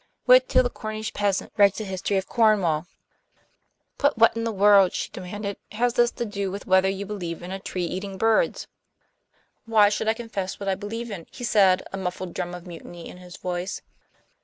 Wait till the Cornish peasant writes a history of Cornwall." "But what in the world," she demanded, "has this to do with whether you believe in a tree eating birds?" "Why should I confess what I believe in?" he said, a muffled drum of mutiny in his voice.